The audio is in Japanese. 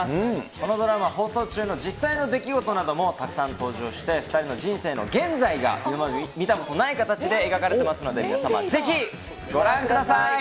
このドラマ放送中の実際の出来事などもたくさん登場して２人の人生の現在が見たことない形で描かれていますので、皆様、ぜひご覧ください。